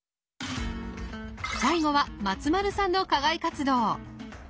最後は松丸さんの課外活動。